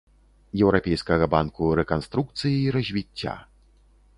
Еўрапейскага банку рэканструкцыі і развіцця.